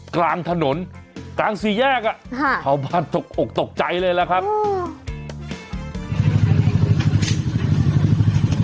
กลางถนนกลางสี่แยกอ่ะครับเข้าบ้านตกตกใจเลยแหละครับ